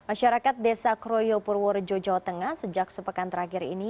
masyarakat desa kroyo purworejo jawa tengah sejak sepekan terakhir ini